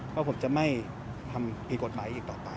เพราะผมจะไม่ทำผิดกฎหมายอีกต่อไป